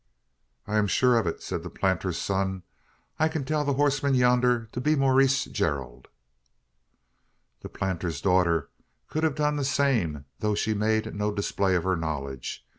"I am sure of it," said the planter's son. "I can tell the horseman yonder to be Maurice Gerald." The planter's daughter could have done the same; though she made no display of her knowledge.